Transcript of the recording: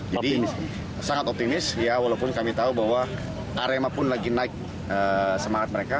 jadi sangat optimis walaupun kami tahu bahwa arema pun lagi naik semangat mereka